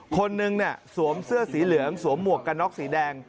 คนนึงสวมเสื้อสีเหลืองสวมหมวกกันน็อกสีแดง